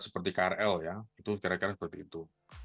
seperti krl ya itu kira kira seperti itu